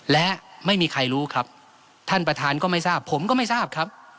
และไม่มีใครรู้ครับท่านประธานก็ไม่ทราบผมก็ไม่ทราบครับ